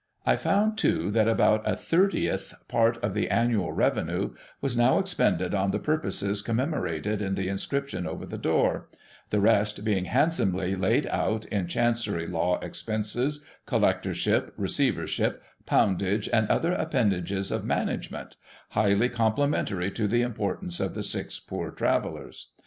I found, too, that about a thirtieth part of the annual revenue was now expended on the purposes commemorated in the inscription over the door ; the rest being handsomely laid out in Chancery, law expenses, collectorshij), receivership, poundage, and other appendages of management, highly complimentary to the importance of the six Poor Travellers.